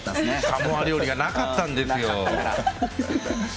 サモア料理がなかったんですよ。